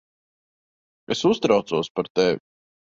Es uztraucos par tevi.